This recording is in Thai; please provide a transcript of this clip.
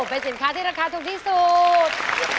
เป็นสินค้าที่ราคาถูกที่สุด